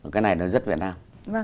cái này nó rất việt nam